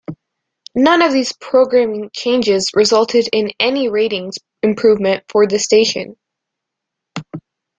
None of these programming changes resulted in any ratings improvement for the station.